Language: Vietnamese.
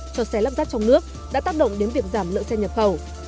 cho xe lắp dắt trong nước đã tác động đến việc giảm lợi xe nhập khẩu